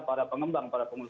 para pengembang para pengusaha